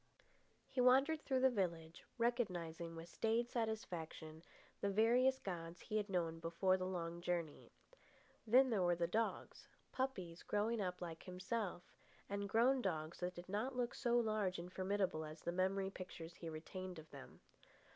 He wandered through the village, recognising with staid satisfaction the various gods he had known before the long journey. Then there were the dogs, puppies growing up like himself, and grown dogs that did not look so large and formidable as the memory pictures he retained of them.